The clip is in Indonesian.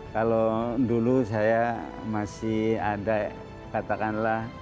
kalau dulu saya masih ada katakanlah